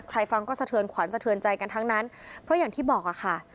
ฟังก็สะเทือนขวัญสะเทือนใจกันทั้งนั้นเพราะอย่างที่บอกอะค่ะ